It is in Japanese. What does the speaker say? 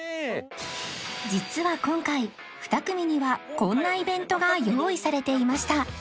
実は今回２組にはこんなイベントが用意されていました